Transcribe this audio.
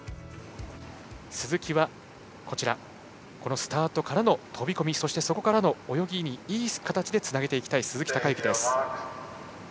鈴木はスタートからの飛び込み、そこからの泳ぎにいい形でつなげていきたい鈴木孝幸です。